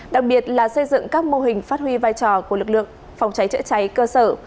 đặc biệt là xây dựng các mô hình phát huy vai trò của lực lượng phòng cháy chữa cháy cơ sở